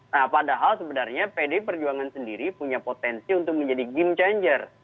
nah padahal sebenarnya pdi perjuangan sendiri punya potensi untuk menjadi game changer